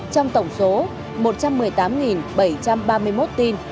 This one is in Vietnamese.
trong tổng số một trăm một mươi tám bảy trăm ba mươi một tin